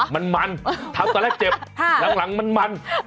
มันมันทำตอนแรกเจ็บหลังมัน